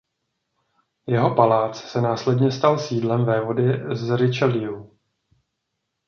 Jeho palác se následně stal sídlem vévody z Richelieu.